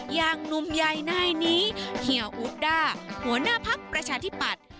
อย่างหนุ่มใหญ่นายนี้เฮียอุบด้าหัวหน้าพักประชาธิปัตย์